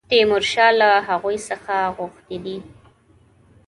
تیمورشاه له هغوی څخه غوښتي دي.